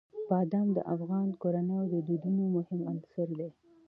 بادام د افغان کورنیو د دودونو مهم عنصر دی.